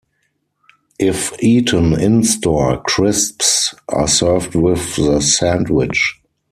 If eaten in-store, crisps are served with the sandwich.